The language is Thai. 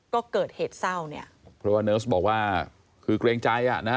ก็เกิดเหตุเศร้าเนี่ยเพราะว่าเนิร์สบอกว่าคือเกรงใจอ่ะนะฮะ